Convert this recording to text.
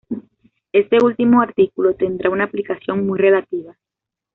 Este último artículo tendrá una aplicación muy relativa.